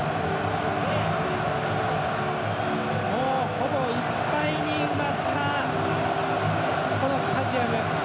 ほぼいっぱいに埋まったこのスタジアム。